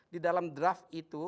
di dalam draft itu